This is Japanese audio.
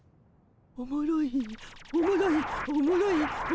おもろいおもろいおもろいおもろい。